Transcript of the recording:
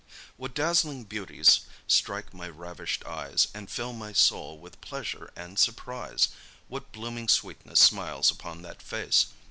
What dazzling beauties strike my ravish'd eyes, And fill my soul with pleasure and surprise! What blooming sweetness smiles upon that face!